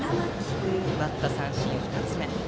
奪った三振は２つ目。